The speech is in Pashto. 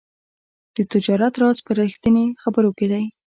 د تجارت راز په رښتیني خبرو کې دی.